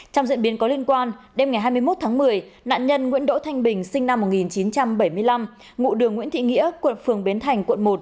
trong diễn biến có liên quan đêm ngày hai mươi một tháng một mươi nạn nhân nguyễn đỗ thanh bình sinh năm một nghìn chín trăm bảy mươi năm ngụ đường nguyễn thị nghĩa quận phường bến thành quận một